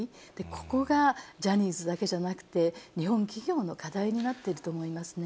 ここがジャニーズだけじゃなくて、日本企業の課題になっていると思いますね。